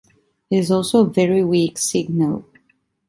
It is also a very weak signal.